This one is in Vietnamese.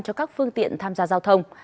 cho các phương tiện tham gia giao thông